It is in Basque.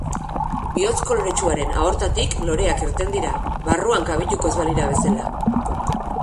Bihotz koloretsuaren aortatik loreak irten dira, barruan kabituko ez balira bezala.